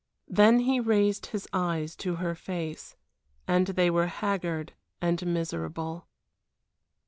Then he raised his eyes to her face, and they were haggard and miserable.